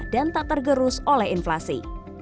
dan tak tergerus oleh inflasi